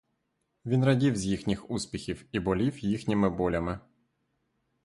Він радів з їхніх успіхів і болів їхніми болями.